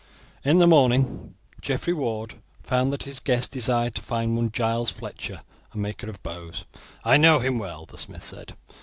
In the morning Geoffrey Ward found that his guest desired to find one Giles Fletcher, a maker of bows. "I know him well," the smith said.